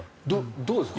どうですか？